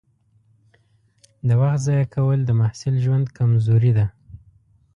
د وخت ضایع کول د محصل ژوند کمزوري ده.